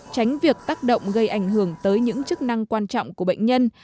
tránh việc tác động gây ảnh hưởng tới những chức năng quan trọng của bệnh nhân